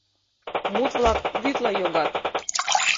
Мут-влак вӱдла йогат.